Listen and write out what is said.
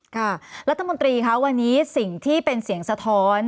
ค่ะรัฐมนตรีคะวันนี้สิ่งที่เป็นเสียงสะท้อน